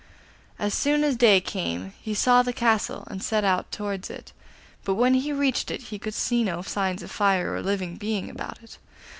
As soon as day came he also saw the castle, and set out towards it; but when he reached it he could see no signs of fire or living being about it.